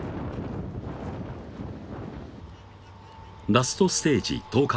ラストステージ１０日